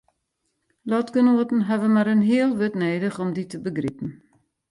Lotgenoaten hawwe mar in heal wurd nedich om dy te begripen.